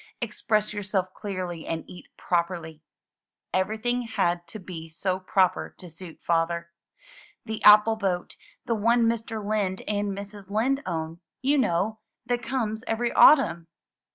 "Express yourself clearly and eat properly." Everything had to be so proper to suit Father. "The apple boat, the one Mr. Lind and Mrs. Lind own, you know — that comes every autumn."